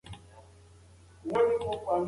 وقایه ممکنه ده.